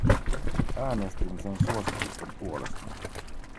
Äänestin sen suositusten puolesta.